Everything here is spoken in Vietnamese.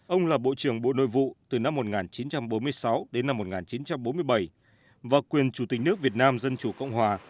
ông là bộ trưởng bộ nội vụ từ năm một nghìn chín trăm bốn mươi sáu đến năm một nghìn chín trăm bốn mươi bảy và quyền chủ tịch nước việt nam dân chủ cộng hòa